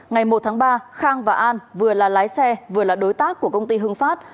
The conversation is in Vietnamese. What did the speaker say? ngày một tháng ba khang và an vừa là lái xe vừa là đối tác của công ty hưng phát